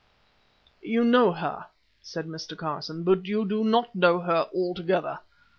"You know her," said Mr. Carson, "but you do not know her altogether.